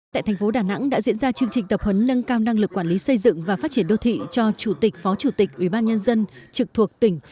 tại thành phố đà nẵng đã diễn ra chương trình tập huấn nâng cao năng lực quản lý xây dựng và phát triển đô thị cho chủ tịch phó chủ tịch ubnd trực thuộc tỉnh